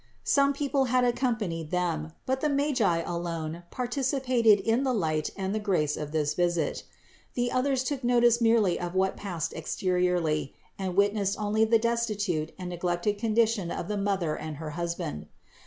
Some people had accompanied them; but the Magi alone participated in the light and the grace of this visit. The others took notice merely of what passed exteriorly, and witnessed only the destitute and neglected condition of the Mother and her husband.